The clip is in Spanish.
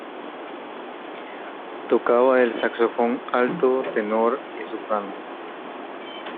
Tocaba el saxofón alto, tenor y soprano.